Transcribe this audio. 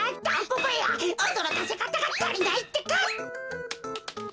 おどろかせかたがたりないってか。